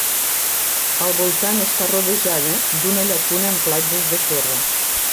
Al voltant està rodejada d'una llacuna amb platges de sorra.